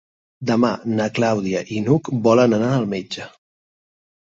Demà na Clàudia i n'Hug volen anar al metge.